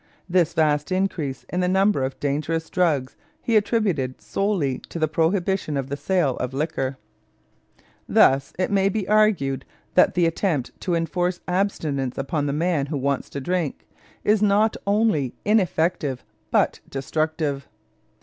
This vast increase in the use of dangerous drugs he attributed solely to the prohibition of the sale of liquor. Thus it must be argued that the attempt to enforce abstinence upon the man who wants to drink is not only ineffective, but destructive.